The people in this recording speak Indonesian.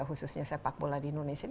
khususnya sepak bola di indonesia